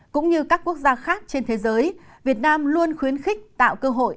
cũng như các quốc gia khác trên thế giới việt nam luôn khuyến khích tạo cơ hội